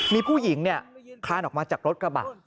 มีผู้หญิงคลานออกมาจากรถกระบะ